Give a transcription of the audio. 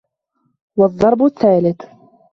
وَالضَّرْبُ الثَّالِثُ